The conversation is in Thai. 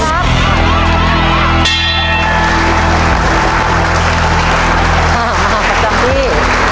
มากครับจอมพี่